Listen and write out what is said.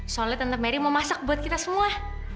soalnya tante merry mau masak buat kita semua